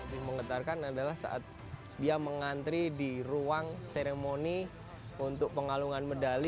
yang mengetarkan adalah saat dia mengantri di ruang seremoni untuk pengalungan medali